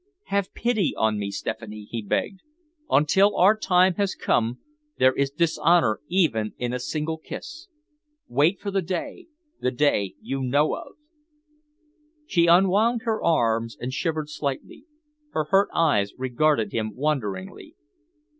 "Have pity on me, Stephanie," he begged. "Until our time has come there is dishonour even in a single kiss. Wait for the day, the day you know of." She unwound her arms and shivered slightly. Her hurt eyes regarded him wonderingly.